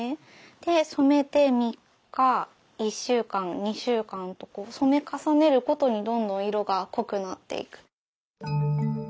で染めて３日１週間２週間とこう染め重ねるごとにどんどん色が濃くなっていく。